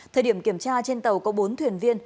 thời điểm kiểm tra trên tàu có bốn thuyền viên